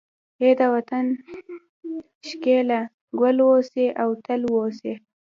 ای د وطن ښکليه، ګل اوسې او تل اوسې